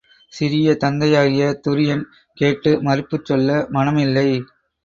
சிறிய தந்தையாகிய துரியன் கேட்டு மறுப்புச் சொல்ல மனம் இல்லை.